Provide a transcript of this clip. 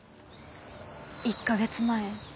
１か月前